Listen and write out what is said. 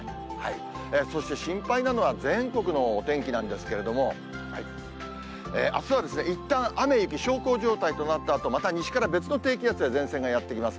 そして心配なのは全国のお天気なんですけれども、あすはいったん、雨雪、小康状態となったあと、また西から別の低気圧や前線がやって来ます。